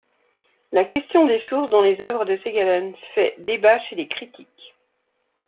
La question des sources dans les œuvres de Segalen fait débat chez les critiques.